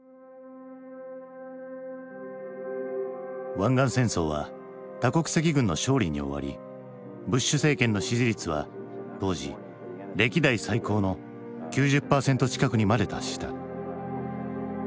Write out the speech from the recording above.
湾岸戦争は多国籍軍の勝利に終わりブッシュ政権の支持率は当時歴代最高の９０％近くにまで達した。